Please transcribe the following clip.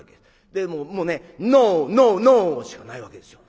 でもうね「ノーノーノー」しかないわけですよ。